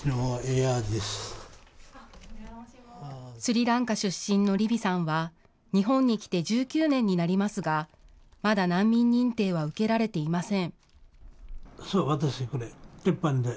スリランカ出身のリヴィさんは、日本に来て１９年になりますが、まだ難民認定は受けられていません。